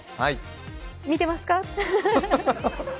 見てますか？